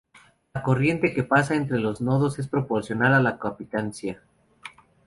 La corriente que pasa entre los nodos es proporcional a la capacitancia.